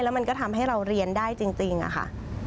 แล้วมันก็ทำให้เราเรียนได้จริงอะค่ะ